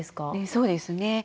そうですね。